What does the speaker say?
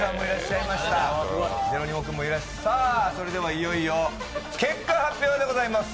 いよいよ、結果発表でございます。